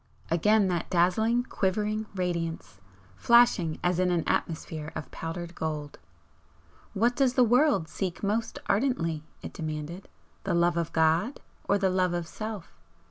Again that dazzling, quivering radiance, flashing as in an atmosphere of powdered gold. "What does the world seek most ardently?" it demanded "The Love of God? or the Love of Self?